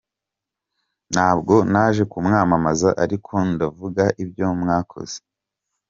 Ntabwo naje kumwamamaza ariko ndavuga ibyo mwakoze.